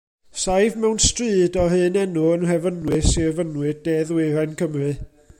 Saif mewn stryd o'r un enw yn Nhrefynwy, Sir Fynwy, de-ddwyrain Cymru.